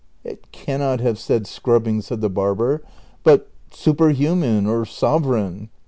"" It cannot have said ' scrubbing,' said the barber, " but ' superhuman ' or sovereign.'